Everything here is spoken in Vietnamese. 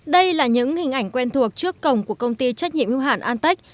đây là những hình ảnh quen thuộc trước cổng của công ty trách nhiệm hưu hẳn an tách